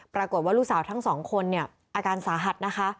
ปรากฏว่าลูกสาวทั้งสองคนเนี่ยอาการสาหัสนะคะ